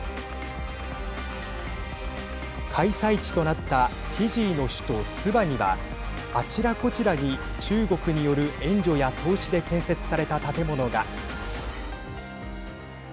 開催地となったフィジーの首都スバにはあちらこちらに、中国による援助や投資で建設された建物が。